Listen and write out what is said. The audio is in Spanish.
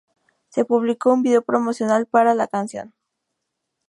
Se publicó un video promocional para la canción.